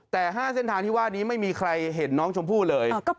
แต่๕เส้นทางที่ว่านี้ไม่มีใครเห็นน้องชมพู่เลย